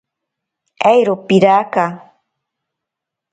Eiro piraka.